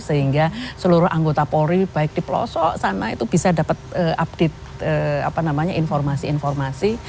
sehingga seluruh anggota polri baik di pelosok sana itu bisa dapat update informasi informasi